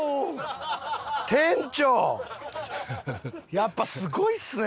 やっぱすごいっすね。